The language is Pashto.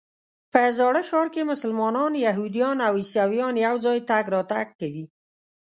په زاړه ښار کې مسلمانان، یهودان او عیسویان یو ځای تګ راتګ کوي.